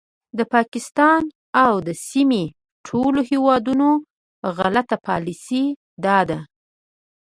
د پاکستان او د سیمې ټولو هیوادونو غلطه پالیسي دا ده